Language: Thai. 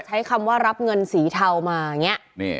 ใช้คำว่ารับเงินสีเทามานี่